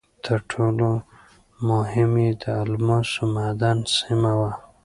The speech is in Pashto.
تر ټولو مهم یې د الماسو معدن سیمه وه.